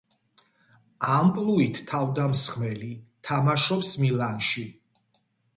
ამპლუით თავდამსხმელი, თამაშობს მილანში.